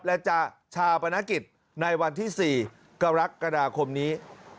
และจะชาปนกิจในวันที่๔กรกฎาคมนี้